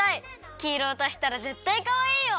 きいろをたしたらぜったいかわいいよ！